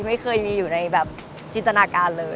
ไม่เคยมีอยู่ในแบบจินตนาการเลย